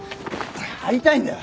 会いたいんだよ。